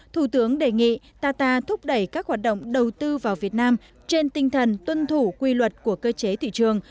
thủ tướng đề nghị qatar thúc đẩy các hoạt động đầu tư vào việt nam trên tinh thần tuân thủ quy luật của cơ chế thị trường